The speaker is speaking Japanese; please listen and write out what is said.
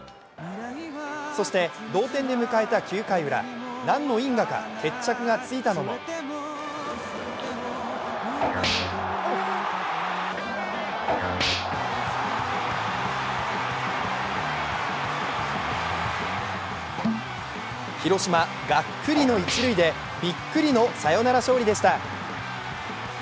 そして、同点で迎えた９回ウラ、何の因果か決着がついたのも広島、がっくりの一塁でびっくりのサヨナラ勝利でした。